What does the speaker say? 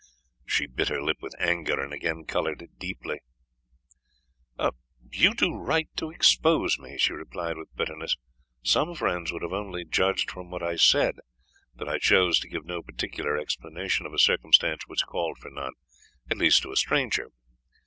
She bit her lip with anger, and again coloured deeply. "You do right to expose me," she replied, with bitterness: "some friends would have only judged from what I said, that I chose to give no particular explanation of a circumstance which calls for none at least to a stranger.